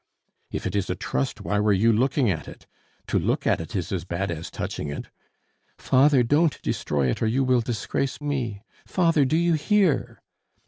"If it is a trust, why were you looking at it? To look at it is as bad as touching it." "Father, don't destroy it, or you will disgrace me! Father, do you hear?"